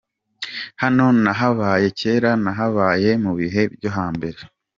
Hano nahabaye kera, nahabaye mu bihe byo hambere…”.